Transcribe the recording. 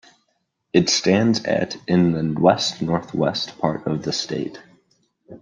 It stands at in the west-northwest part of the state.